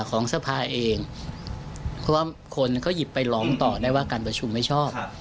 ของสภาเองเพราะว่าคนก็หยิบไปร้องต่อได้ว่าการประชุมไม่ชอบ